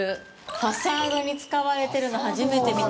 ファサードに使われてるの、初めて見た。